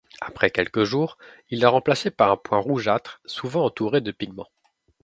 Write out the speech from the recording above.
Après quelques jours, il est remplacé par un point rougeâtre, souvent entouré de pigment.